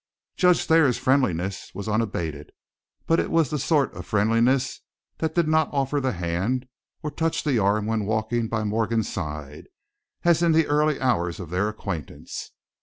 Judge Thayer's friendliness was unabated, but it was the sort of friendliness that did not offer the hand, or touch the arm when walking by Morgan's side, as in the early hours of their acquaintance.